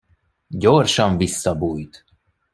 Gyorsan visszabújt.